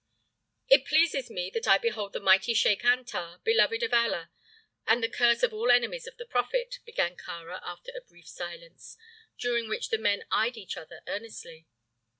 "It pleases me that I behold the mighty Sheik Antar, beloved of Allah, and the curse of all enemies of the prophet," began Kāra after a brief silence, during which the men eyed each other earnestly.